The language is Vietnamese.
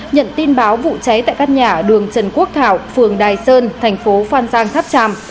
nhận tin báo vụ cháy tại căn nhà đường trần quốc thảo phường đài sơn thành phố phan giang tháp tràm